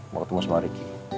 mau ketemu sama regi